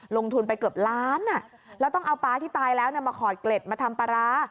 ลงทุนไปเกือบล้านแล้วต้องเอาปลาที่ตายแล้วมาขอดเกล็ดมาทำปลาร้า